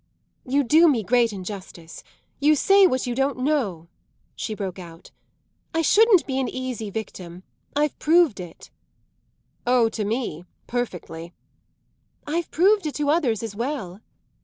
"You do me great injustice you say what you don't know!" she broke out. "I shouldn't be an easy victim I've proved it." "Oh, to me, perfectly." "I've proved it to others as well."